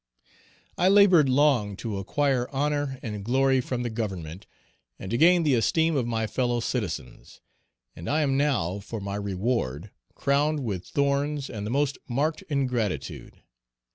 I labored long to acquire honor and glory from the Government, and to gain the esteem of my fellow citizens, and I am now, for my reward, crowned with thorns and the most marked ingratitude.